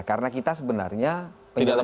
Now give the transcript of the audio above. karena kita sebenarnya penyelenggaraan itu